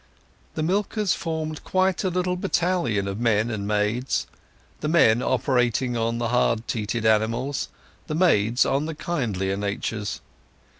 The milkers formed quite a little battalion of men and maids, the men operating on the hard teated animals, the maids on the kindlier natures.